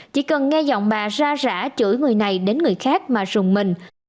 chỉ cần nghe giọng bà ra rã chửi người này đến người khác mà sùng mình